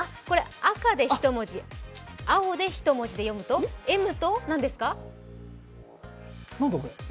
赤で１文字、青で１文字で読むとＭと何ですか？